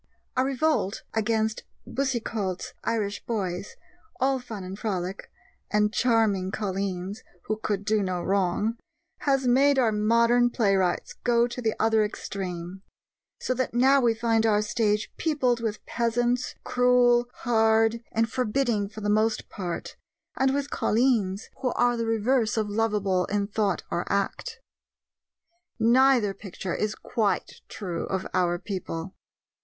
A revolt against Boucicault's Irish boys, all fun and frolic, and charming colleens, who could do no wrong, has made our modern playwrights go to the other extreme; so that now we find our stage peopled with peasants, cruel, hard, and forbidding for the most part, and with colleens who are the reverse of lovable in thought or act. Neither picture is quite true of our people.